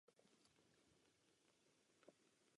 Nad vchodem je vysoké okno se segmentovým záklenkem.